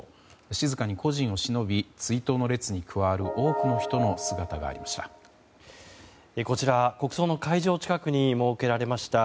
静かに故人をしのび追悼の列に加わる多くの人の姿がありました。